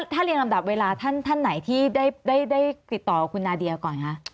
ถ้าเรียงลำดับเวลาท่านไหนที่ได้ติดต่อกับคุณนาเดียก่อนคะ